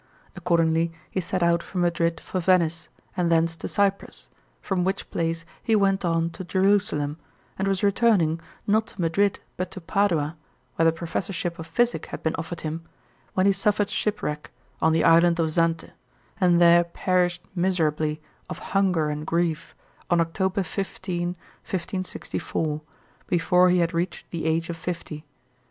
Accordingly he set out from Madrid for Venice, and thence to Cyprus, from which place he went on to Jerusalem, and was returning, not to Madrid, but to Padua, where the professorship of physic had been offered him, when he suffered shipwreck on the island of Zante, and there perished miserably of hunger and grief, on October 15, 1564, before he had reached the age of fifty.